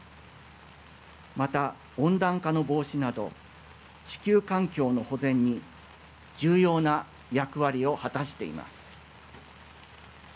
また、温暖化の防止など地球環境の保全に重要な役割を果たしています。